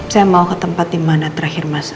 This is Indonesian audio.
saya mau ke tempat di mana terakhir mas al